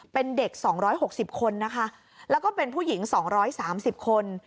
เป็นเด็กสองร้อยหกสิบคนนะคะแล้วก็เป็นผู้หญิงสองร้อยสามสิบคน